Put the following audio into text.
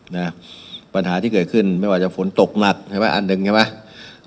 นะปัญหาที่เกิดขึ้นไม่ว่าจะฝนตกหนักใช่ไหมอันหนึ่งใช่ไหม